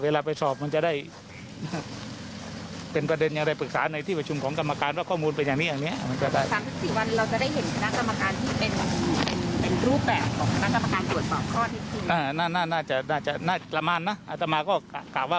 ลุงพี่ย้อยท่านก็บอกว่า